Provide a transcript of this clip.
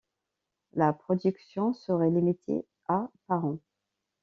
La production sera limitée à par an.